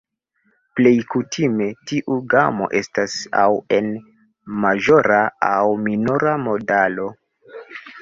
Plej kutime, tiu gamo estas aŭ en maĵora aŭ minora modalo.